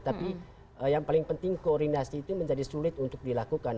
tapi yang paling penting koordinasi itu menjadi sulit untuk dilakukan